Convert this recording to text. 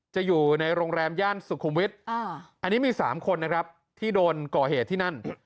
อยู่ในโรงแรมย่านสุขุมวิทย์อันนี้มี๓คนนะครับที่โดนก่อเหตุที่นั่น